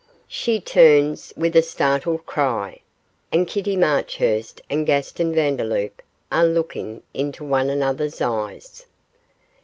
She turns with a startled cry, and Kitty Marchurst and Gaston Vandeloup are looking into one another's eyes.